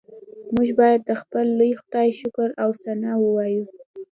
موږ باید د خپل لوی خدای شکر او ثنا ووایو